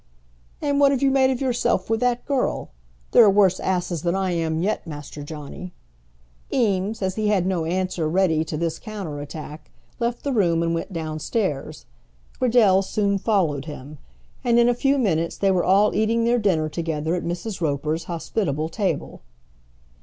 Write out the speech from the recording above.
"And what have you made of yourself with that girl? There are worse asses than I am yet, Master Johnny." Eames, as he had no answer ready to this counter attack, left the room and went downstairs. Cradell soon followed him, and in a few minutes they were all eating their dinner together at Mrs. Roper's hospitable table.